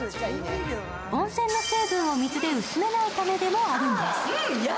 温泉の成分を水で薄めないためでもあるんです。